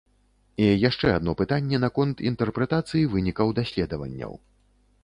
І яшчэ адно пытанне наконт інтэрпрэтацыі вынікаў даследаванняў.